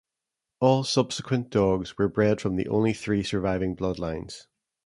All subsequent dogs were bred from the only three surviving bloodlines.